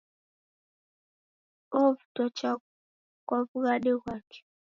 Wovutwa chaghu kwa wughade ghwake